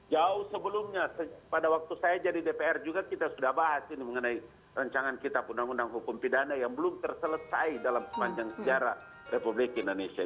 jauh sebelumnya pada waktu saya jadi dpr juga kita sudah bahas ini mengenai rancangan kitab undang undang hukum pidana yang belum terselesai dalam sepanjang sejarah republik indonesia